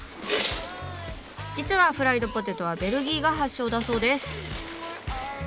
実はフライドポテトはベルギーが発祥だそうです。